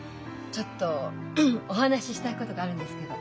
ちょっとお話ししたいことがあるんですけど。